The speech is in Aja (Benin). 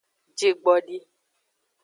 Jigbdi.